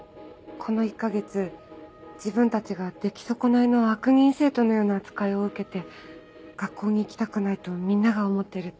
この１か月自分たちが出来損ないの悪人生徒のような扱いを受けて学校に行きたくないとみんなが思ってるって。